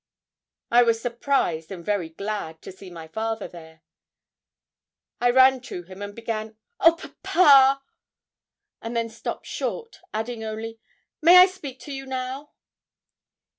I was surprised and very glad to see my father there. I ran to him, and began, 'Oh! papa!' and then stopped short, adding only, 'may I speak to you now?'